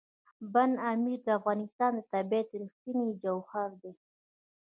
بند امیر د افغانستان د طبیعت رښتینی جوهر دی.